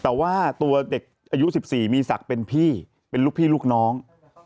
แต่ว่าตัวเด็กอายุ๑๔มีศักดิ์เป็นพี่เป็นลูกพี่ลูกน้อง